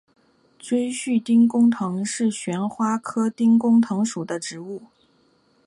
锥序丁公藤是旋花科丁公藤属的植物。